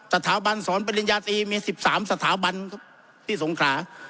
สถาบันสอนปริญญาตรีมี๑๓สถาบันครับที่สงขลา